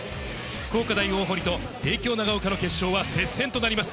福岡大大濠と帝京長岡の決勝は接戦となります。